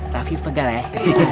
rafi pagal eh